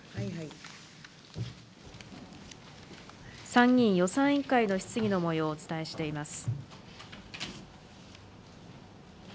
参議院予算委員会の質疑のもようをお伝えしています。